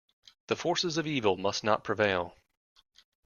The forces of evil must not prevail.